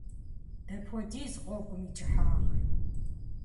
Дапхуэдиз гъуэгум и кӏыхьагъыр?